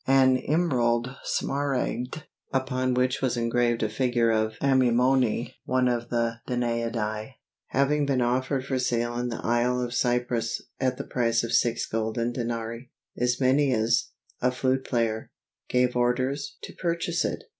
An emerald (smaragd), upon which was engraved a figure of Amymone (one of the Danaidæ), having been offered for sale in the Isle of Cyprus, at the price of six golden denarii, Ismenias, a flute player, gave orders to purchase it.